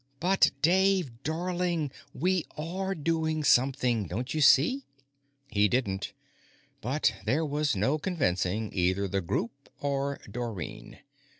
"But, Dave, darling we are doing something! Don't you see?" He didn't, but there was no convincing either the Group or Dorrine.